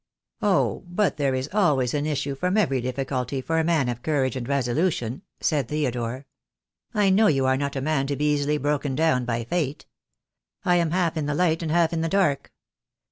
" Oh, but there is always an issue from every difficulty for a man of courage and resolution," said Theodore. "I know you are not a man to be easily broken down by Fate. I am half in the light and half in the dark.